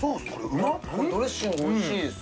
このドレッシングおいしいです